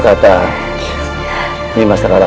tidak tidak tidak